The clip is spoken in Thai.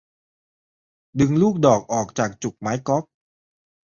ดึงลูกดอกออกจากจุกไม้ก๊อก